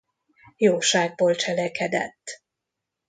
Jóságból cselekedett.